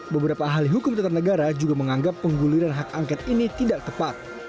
beberapa ahli hukum tata negara juga menganggap pengguliran hak angket ini tidak tepat